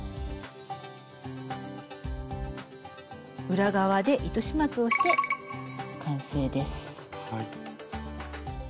裏側で糸始末をして完成です。